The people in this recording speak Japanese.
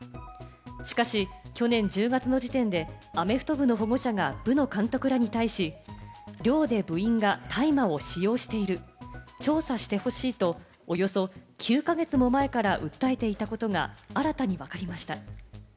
しかし、去年１０月の時点でアメフト部の保護者が部の監督らに対し、寮で部員が大麻を使用している、調査してほしいとおよそ９か月も前から訴えていたことが新たにわかりました。